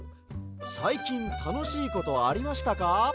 「さいきんたのしいことありましたか？」